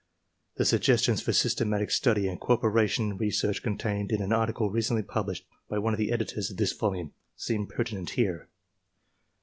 The suggestions for systematic study and cooperation in re search contained in an article recently published by one of the editors of this volume seem pertinent here.